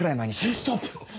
ストップ！